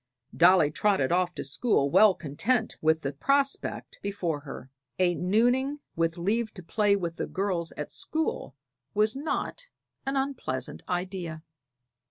Dolly trotted off to school well content with the prospect before her: a nooning, with leave to play with the girls at school, was not an unpleasant idea.